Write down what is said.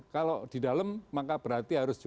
kalau di dalam maka berarti harus